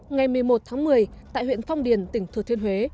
ngày một mươi một tháng một mươi tại huyện phong điền tỉnh thừa thiên huế